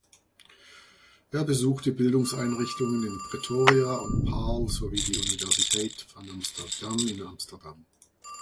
Er besuchte Bildungseinrichtungen in Pretoria und Paarl sowie die Universiteit van Amsterdam in Amsterdam.